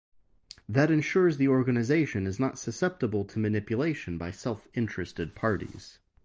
That ensures that the organization is not susceptible to manipulation by self-interested parties.